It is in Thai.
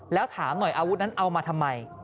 แล้วถามหน่อยอาวุธนั้นเอามาทำไม